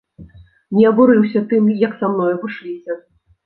Не абурыўся тым, як са мной абышліся.